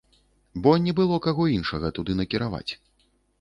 Бо не было каго іншага туды накіраваць.